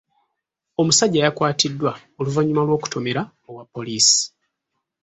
Omusajja yakwatiddwa oluvannyuma lw'okutomera owa poliisi.